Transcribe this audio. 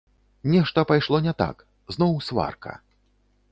Нешта пайшло не так, зноў сварка.